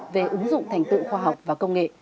về ứng dụng thành tựu khoa học và công nghệ